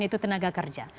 yaitu tenaga kerja